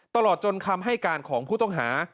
ตลอดจนคำให้การของผู้ต้องหา